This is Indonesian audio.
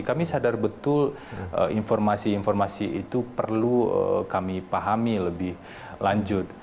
kami sadar betul informasi informasi itu perlu kami pahami lebih lanjut